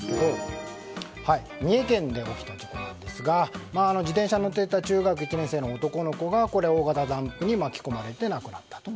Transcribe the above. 三重県で起きた事故なんですが自転車に乗っていた中学１年生の男の子が大型ダンプに巻き込まれて亡くなったと。